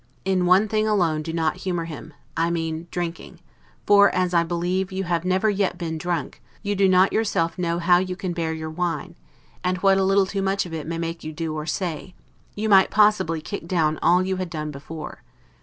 In one thing alone do not humor him; I mean drinking; for, as I believe, you have never yet been drunk, you do not yourself know how you can bear your wine, and what a little too much of it may make you do or say; you might possibly kick down all you had done before.